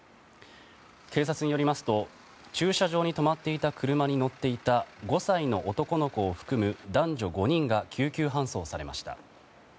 警察によりますと駐車場に止まっていた車に乗っていた５歳の男の子を含む男女５人が救急搬送されました。